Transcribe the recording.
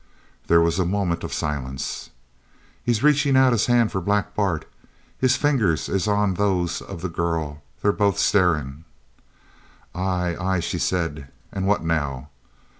There was a moment of silence. "He's reachin' out his hand for Black Bart. His fingers is on those of the girl. They's both starin'." "Ay, ay!" she said. "An' what now?"